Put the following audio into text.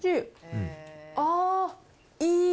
ああ、いい。